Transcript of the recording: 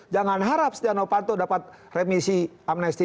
jangan harap setia no panto dapat remisi amnesti